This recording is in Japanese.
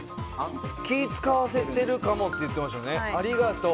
気を使わせてるかもって言ってましたよね。